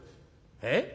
「えっ？